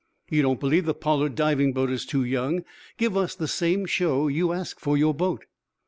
You don't believe the Pollard diving boat is too young. Give us the same show you ask for your boat."